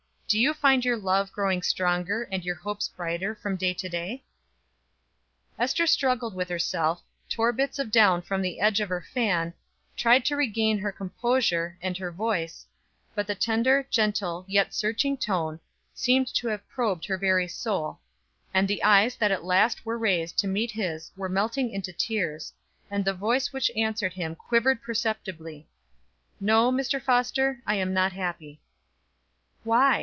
Do you find your love growing stronger and your hopes brighter from day to day?" Ester struggled with herself, tore bits of down from the edge of her fan, tried to regain her composure and her voice, but the tender, gentle, yet searching tone, seemed to have probed her very soul and the eyes that at last were raised to meet his were melting into tears, and the voice which answered him quivered perceptibly. "No, Mr. Foster, I am not happy." "Why?